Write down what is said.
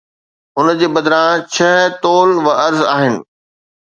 ان جي بدران، ڇهه طول و عرض آهن